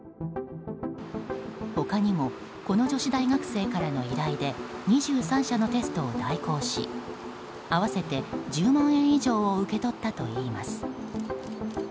他にもこの女子大学生からの依頼で２３社のテストを代行し合わせて１０万円以上を受け取ったといいます。